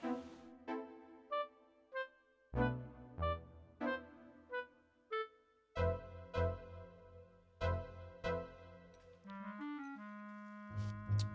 iya kan rok